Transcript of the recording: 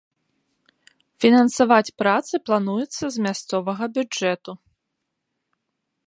Фінансаваць працы плануецца з мясцовага бюджэту.